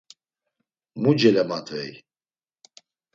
Mu celemadvey?